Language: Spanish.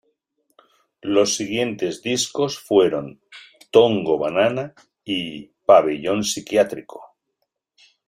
Los siguientes discos fueron ""Tongo banana"" y ""Pabellón psiquiátrico"".